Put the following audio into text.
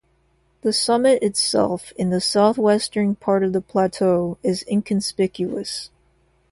The summit itself, in the southwestern part of the plateau, is inconspicuous.